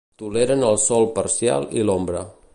Toleren el sol parcial i l'ombra.